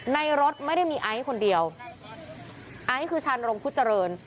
ในรถไม่ได้มีไอซ์คนเดียวไอซ์คือชานรมพุทธเจริญ